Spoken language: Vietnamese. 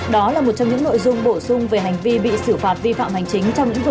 đó là một trong những nội dung bổ sung về hành vi bị xử phạt vi phạm hành chính